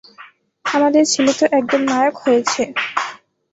আমাদের ছেলে তো একদম নায়ক হয়েছে।